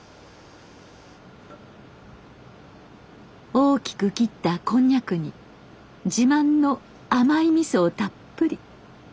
大きく切ったこんにゃくに自慢の甘いみそをたっぷり。